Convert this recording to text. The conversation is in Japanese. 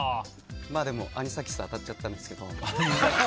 でも、アニサキスに当たっちゃったんですけど。